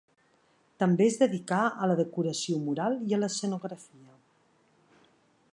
També es dedicà a la decoració mural i a l'escenografia.